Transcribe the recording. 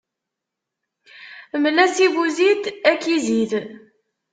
Mel-as i buzid ad ak-izid.